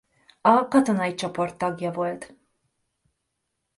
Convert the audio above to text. A katonai csoport tagja volt.